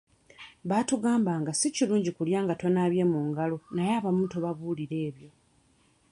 Baatugambanga si kirungi kulya nga tonaabye mu ngalo naye abamu tobabuulira ebyo.